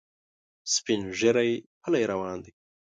سپین ږیری پلی روان دی.